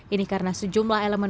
ini karena sejumlah elemen